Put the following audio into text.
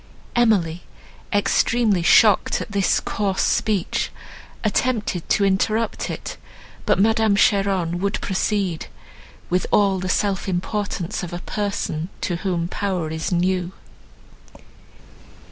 Emily, extremely shocked at this coarse speech, attempted to interrupt it; but Madame Cheron would proceed, with all the self importance of a person, to whom power is new.